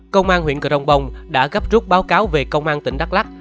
công an huyện cờ rồng bồng đã gấp rút báo cáo về công an tỉnh đắk lắc